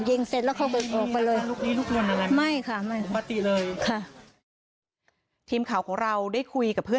ยิงเสร็จแล้วเขาออกไปเลย